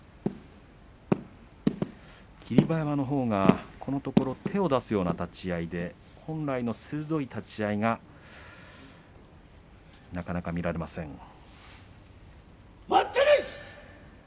霧馬山のほうがこのところ手を出すような立ち合いで本来の鋭い立ち合いがなかなか見られません